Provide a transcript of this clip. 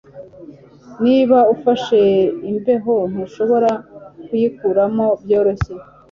Niba ufashe imbeho ntushobora kuyikuramo byoroshye